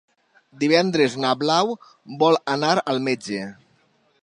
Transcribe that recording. Divendres na Blau vol anar al metge.